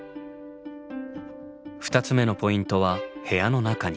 ２つ目のポイントは部屋の中に。